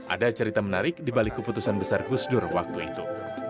ada cerita menarik dibalik keputusan besar gusur waktu itu